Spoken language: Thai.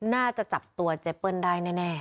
น่าจะจับตัวเจเปิ้ลได้แน่